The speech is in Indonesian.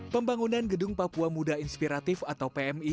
pembangunan gedung papua muda inspiratif atau pmi